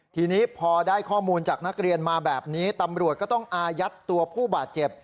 ทีนี้พอได้ข้อมูลจากนักเรียนมาแบบนี้ตำรวจก็ต้องอายัดตัวผู้บาดเจ็บ